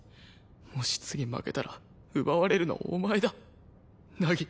もし次負けたら奪われるのはお前だ凪。